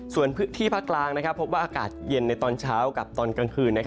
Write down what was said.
ส่วนพื้นที่ภาคกลางพบว่าอากาศเย็นในตอนเช้ากับตอนกลางคืน